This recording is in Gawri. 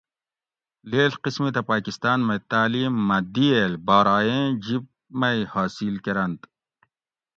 لیڷ قسمِتہ پاکستاۤن مئ تالیم مۤہ دِیٔل بارائ ایں جِب مئ حاصل کۤرنت